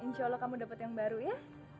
insya allah kamu dapat yang baru ya